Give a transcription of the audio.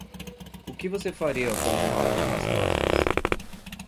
O que você faria com uma arma nas costas?